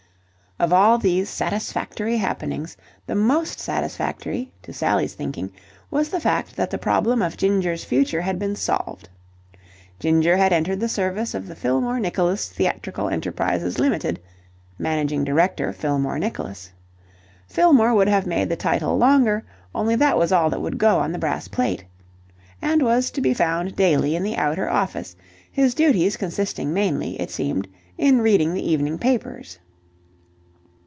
Of all these satisfactory happenings, the most satisfactory, to Sally's thinking, was the fact that the problem of Ginger's future had been solved. Ginger had entered the service of the Fillmore Nicholas Theatrical Enterprises Ltd. (Managing Director, Fillmore Nicholas) Fillmore would have made the title longer, only that was all that would go on the brass plate and was to be found daily in the outer office, his duties consisting mainly, it seemed, in reading the evening papers.